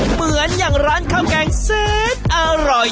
เหมือนอย่างร้านข้าวแกงแสนอร่อย